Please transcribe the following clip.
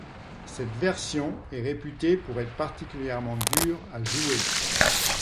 Cette version est réputée pour être particulièrement dure à jouer.